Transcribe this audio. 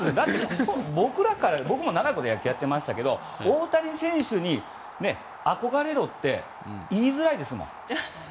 僕も長いこと野球やってましたけど大谷選手に憧れろって言いづらいですもん。